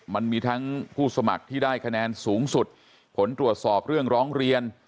มันมีทั้งผู้สมัครที่ได้คะแนนสูงสุดผลตรวจสอบเรื่องร้องเรียน